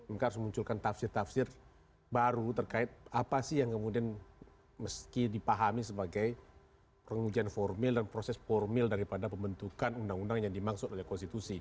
mk harus munculkan tafsir tafsir baru terkait apa sih yang kemudian meski dipahami sebagai pengujian formil dan proses formil daripada pembentukan undang undang yang dimaksud oleh konstitusi